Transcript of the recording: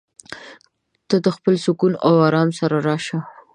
ته د خپل سکون او ارام سره راشه.